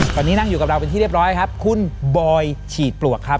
ตอนนี้นั่งอยู่กับเราเป็นที่เรียบร้อยครับคุณบอยฉีดปลวกครับ